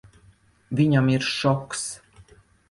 Viņam ir šoks.